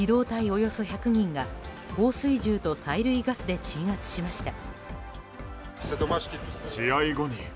およそ１００人が放水銃と催涙ガスで鎮圧しました。